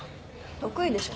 得意でしょ。